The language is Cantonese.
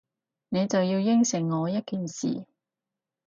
你就要應承我一件事